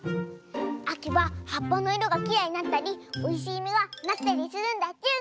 あきははっぱのいろがきれいになったりおいしいみがなったりするんだチュン！